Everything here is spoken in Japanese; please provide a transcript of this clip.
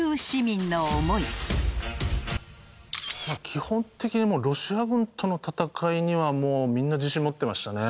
基本的にもうロシア軍との戦いにはもうみんな自信持ってましたね。